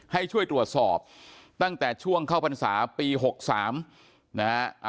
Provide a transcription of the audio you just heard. ให้ช่วยตรวจสอบตั้งแต่ช่วงเข้าพรรษาปี๖๓นะฮะ